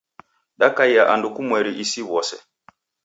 Dakaia andu kumweri isi w'ose.